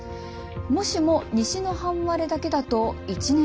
もしも西の半割れだけだと１年ほどで回復。